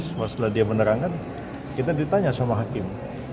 setelah dia menerangkan kita ditanya sama hakim